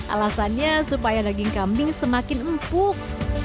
alasannya supaya daging kambing semakin empuk